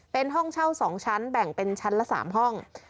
เป็นห้องเช่า๒ชั้นแบ่งเป็นชั้นละ๓ห้อง